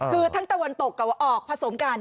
คือทั้งตะวันตกกับออกผสมกัน